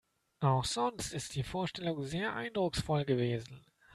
Auch sonst ist die Vorstellung sehr eindrucksvoll gewesen.